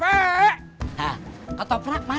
hah ketoprak mas